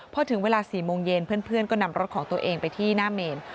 พอถึงเวลา๔โมงเย็นเพื่อนก็นำรถของตัวเองไปที่หน้าเมน